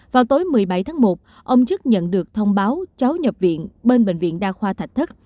vào tối một mươi bảy tháng một ông chức nhận được thông báo cháu nhập viện bên bệnh viện đa khoa thạch thất